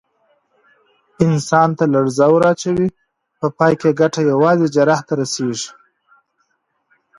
انسان ته لړزه ور اچوي، په پای کې یې ګټه یوازې جراح ته رسېږي.